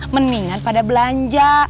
mendingan pada belanja